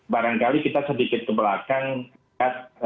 barangkali kita sedikit ke belakang ya